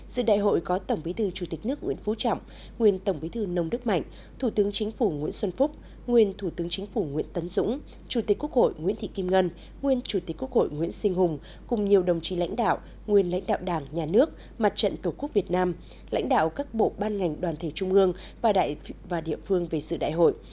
dự đại hội có tổng bí thư chủ tịch nước nguyễn phú trọng nguyên tổng bí thư nông đức mạnh thủ tướng chính phủ nguyễn xuân phúc nguyên thủ tướng chính phủ nguyễn tấn dũng chủ tịch quốc hội nguyễn thị kim ngân nguyên chủ tịch quốc hội nguyễn sinh hùng cùng nhiều đồng chí lãnh đạo nguyên lãnh đạo đảng nhà nước mặt trận tổ quốc việt nam lãnh đạo các bộ ban ngành đoàn thể trung ương và địa phương về dự đại hội